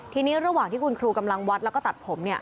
ทีนี้ระหว่างที่คุณครูกำลังวัดแล้วก็ตัดผม